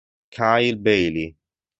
Kyle Bailey